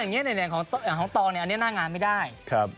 อย่างนี้ของตองเนี่ยอันนี้หน้างานไม่ได้